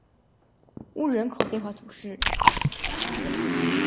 乌日人口变化图示